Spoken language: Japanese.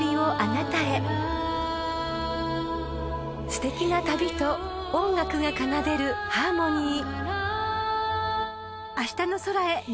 ［すてきな旅と音楽が奏でるハーモニー］